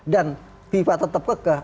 dan fifa tetap ke